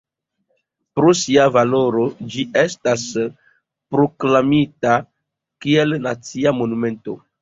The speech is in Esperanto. Pro sia valoro ĝi estas proklamita kiel nacia monumento.